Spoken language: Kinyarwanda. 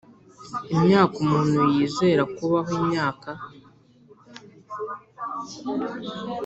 imyaka umuntu yizera kubaho imyaka